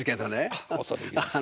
あっ恐れ入ります。